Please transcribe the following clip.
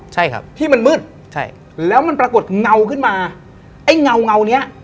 ใช่ครับที่มันมืดใช่แล้วมันปรากฏเงาขึ้นมาไอ้เงาเงาเนี้ย